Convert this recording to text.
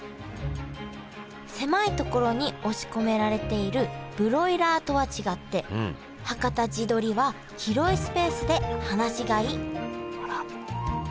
狭いところに押し込められているブロイラーとは違ってはかた地どりは広いスペースで放し飼いあら。